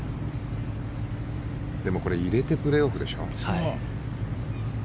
でもこれ入れてプレーオフでしょ。